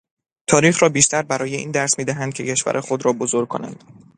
تاریخ را بیشتر برای این درس میدهند که کشور خود را بزرگ کنند.